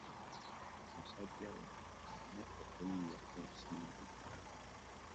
Musajja wattu alina okuyiiya ku nsimbi.